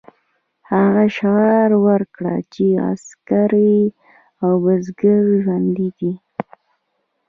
هغه شعار ورکړ چې عسکر او بزګر ژوندي دي.